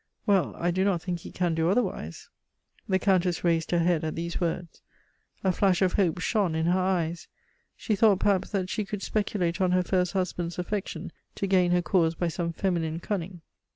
"Well, I do not think he can do otherwise." The Countess raised her head at these words. A flash of hope shone in her eyes; she thought perhaps that she could speculate on her first husband's affection to gain her cause by some feminine cunning.